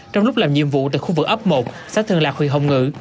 trong lúc làm nhiệm vụ từ khu vực ấp một xã thường lạc huyện hồng ngự